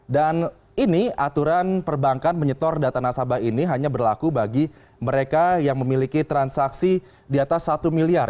dan ini aturan perbankan menyetor data nasabah ini hanya berlaku bagi mereka yang memiliki transaksi di atas satu miliar